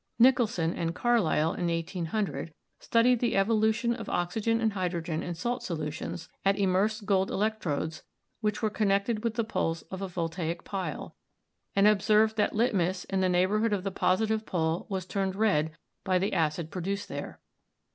Nicholson and Carlisle, in 1800, stud ied the evolution of oxygen and hydrogen in salt solutions at immersed gold electrodes which were connected with the poles of a voltaic pile, and observed that litmus in the neighborhood of the positive pole was turned red by the acid produced there.